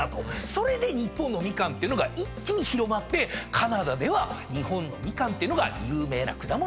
それで日本のみかんっていうのが一気に広まってカナダでは日本のみかんっていうのが有名な果物の１つになったんですね。